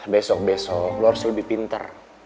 besok besok lo harus lebih pinter